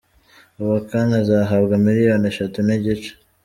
Uwa kane azahabwa miliyoni eshatu n’igice.